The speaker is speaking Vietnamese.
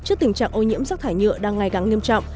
trước tình trạng ô nhiễm rác thải nhựa đang ngày càng nghiêm trọng